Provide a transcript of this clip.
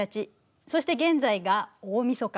そして現在が大みそか。